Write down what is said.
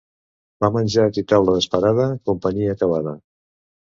Pa menjat i taula desparada, companyia acabada.